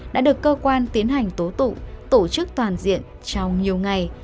đã được cơ quan tiến hành tố tụ tổ chức toàn diện trong nhiều ngày